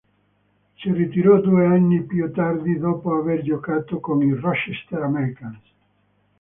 Si ritirò due anni più tardi dopo aver giocato con i Rochester Americans.